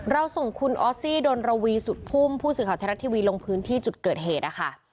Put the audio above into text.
เราส่งคุณออสซี่ดนรวีสุดพุ่มผู้สื่อข่าวไทยรัฐทีวีลงพื้นที่จุดเกิดเหตุนะคะ